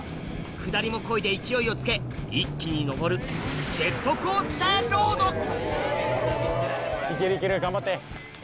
下りも漕いで勢いをつけ一気に上る行ける行ける頑張って。